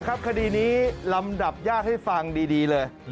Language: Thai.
คดีนี้ลำดับยากให้ฟังดีเลย